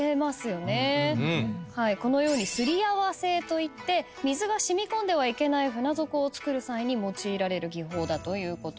このようにすりあわせといって水が染み込んではいけない船底を造る際に用いられる技法だということです。